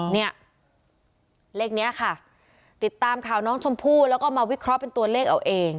เนี่ยเลขนี้ค่ะติดตามข่าวน้องชมพู่แล้วก็มาวิเคราะห์เป็นตัวเลขเอาเอง